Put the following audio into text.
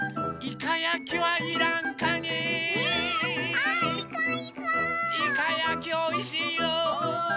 イカやきおいしいよ！